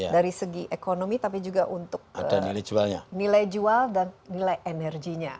dari segi ekonomi tapi juga untuk nilai jual dan nilai energinya